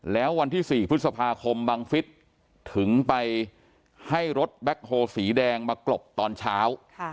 แล้ววันที่๔พฤษภาคมบังฟิศถึงไปให้รถแบ็คโฮสีแดงมากลบตอนเช้า